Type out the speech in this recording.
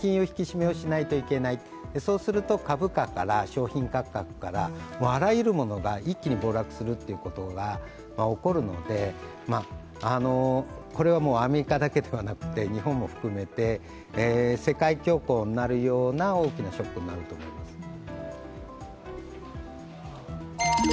引き締めをしないといけない、そうすると株価から商品価格からあらゆるものが一気に暴落するということが起こるのでこれはアメリカだけではなくて日本も含めて世界恐慌になるような大きなショックになると思います。